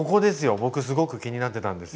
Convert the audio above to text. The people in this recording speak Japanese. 僕すごく気になってたんですよ